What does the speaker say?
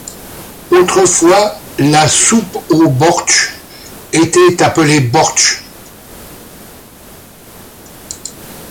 Autrefois, la soupe au bortsch était appelée bortsch.